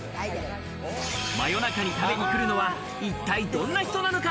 真夜中に食べに来るのは一体どんな人なのか？